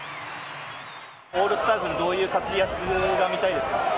オールスターでどういう活躍が見たいですか？